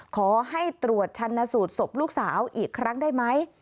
ขอให้ตรวจชันสูตรศพลูกสาวอีกครั้งได้ไหม